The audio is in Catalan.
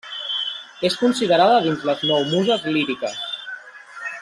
És considerada dins les nou muses líriques.